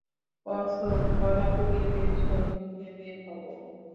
কসম, গলা পুড়িয়ে পেছন দিয়ে বের হবো।